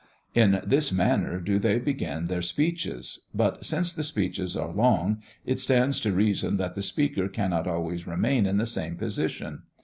In this manner do they begin their speeches; but since the speeches are long, it stands to reason that the speaker cannot always remain in the same position.